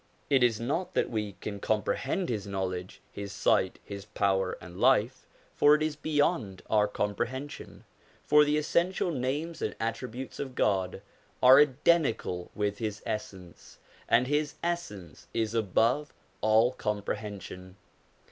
It is not that we can comprehend His knowledge, His sight, His power and life, for it is beyond our comprehension ; for the essential names and attributes of God are identical with His Essence, and His Essence is above all comprehension.